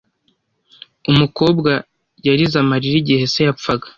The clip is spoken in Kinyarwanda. Umukobwa yarize amarira igihe se yapfaga.